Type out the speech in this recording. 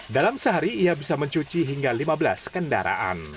dalam sehari ia bisa mencuci hingga lima belas kendaraan